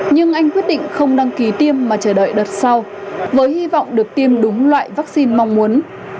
nhưng anh quyết định không đăng ký tiêm mà chờ đợi đợt sau với hy vọng được tiêm đúng loại vaccine mong muốn